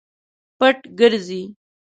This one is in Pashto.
پټ ګرځي.